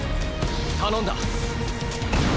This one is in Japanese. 頼んだ。